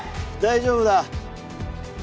大丈夫だ。